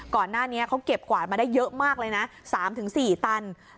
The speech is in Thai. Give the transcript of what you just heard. ก่อนหน้านี้เขาเก็บกวาดมาได้เยอะมากเลยนะ๓๔ตัน